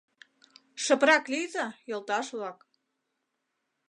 Шыпрак лийза, йолташ-влак...